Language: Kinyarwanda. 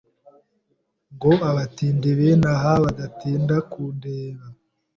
Ngo abatindi b'inaha Badatinda ku ntebe.